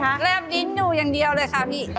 แรบดินอยู่อย่างเดียวเลยค่ะพี่